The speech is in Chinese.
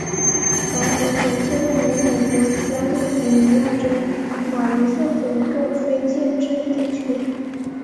港口点是位于美国加利福尼亚州马林县的一个非建制地区。